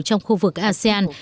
trong khu vực asean